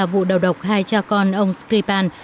vụ đầu độc hai cha con ông skripal